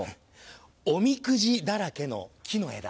おみくじだらけの木の枝。